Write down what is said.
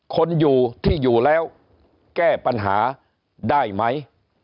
คนที่อยู่ที่อยู่แล้วแก้ปัญหาได้ไหม